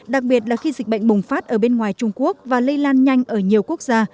đặc biệt là khi dịch bệnh bùng phát ở bên ngoài trung quốc và lây lan nhanh ở nhiều quốc gia